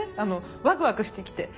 ワクワクしてきて。